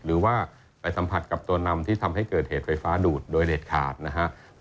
หรือว่าไปสัมผัสกับตัวนำที่ทำให้เกิดเหตุไฟฟ้าดูดโดยเด็ดขาดนะครับ